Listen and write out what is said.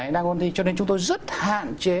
đang ôn thi cho nên chúng tôi rất hạn chế